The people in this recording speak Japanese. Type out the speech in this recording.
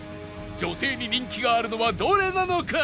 女性に人気があるのはどれなのか？